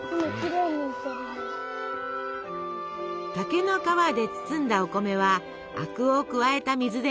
竹の皮で包んだお米は灰汁を加えた水で煮ます。